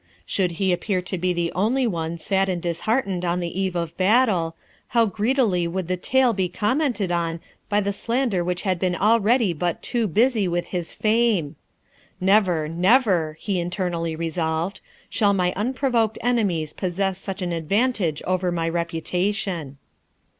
Should he appear to be the only one sad and disheartened on the eve of battle, how greedily would the tale be commented upon by the slander which had been already but too busy with his fame! Never, never, he internally resolved, shall my unprovoked enemies possess such an advantage over my reputation.